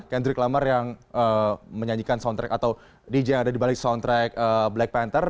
candrik lamar yang menyanyikan soundtrack atau dj yang ada di balik soundtrack black panther